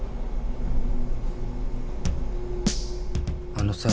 あのさ